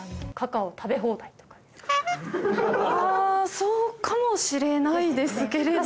あそうかもしれないですけれども。